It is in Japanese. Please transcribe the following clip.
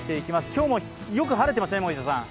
今日もよく晴れてますね、森田さん。